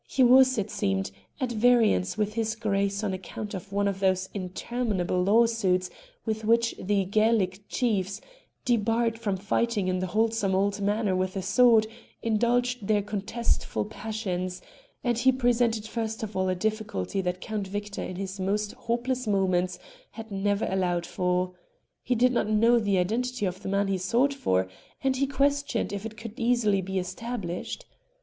He was, it seemed, at variance with his Grace on account of one of those interminable lawsuits with which the Gaelic chiefs, debarred from fighting in the wholesome old manner with the sword, indulged their contestful passions, and he presented first of all a difficulty that Count Victor in his most hopeless moments had never allowed for he did not know the identity of the man sought for, and he questioned if it could easily be established.